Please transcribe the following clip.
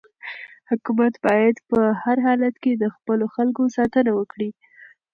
حکومت باید په هر حالت کې د خپلو خلکو ساتنه وکړي.